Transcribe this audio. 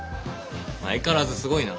相変わらずすごいな。